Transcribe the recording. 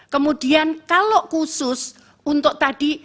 kemudian kalau khusus untuk tadi